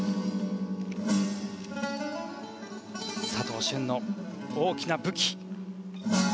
佐藤駿の大きな武器。